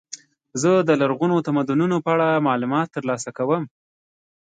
زه د لرغونو تمدنونو په اړه معلومات ترلاسه کوم.